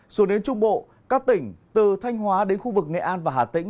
xuống đến trung bộ các tỉnh từ thanh hóa đến khu vực nghệ an và hà tĩnh